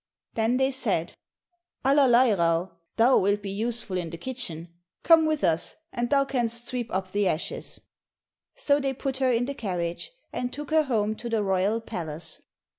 Then said they, "Allerleirauh, thou wilt be useful in the kitchen, come with us, and thou canst sweep up the ashes." So they put her in the carriage, and took her home to the royal palace.